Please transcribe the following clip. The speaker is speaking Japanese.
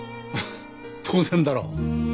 当然だろ。